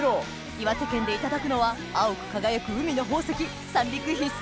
岩手県でいただくのは青く輝く海の宝石三陸翡翠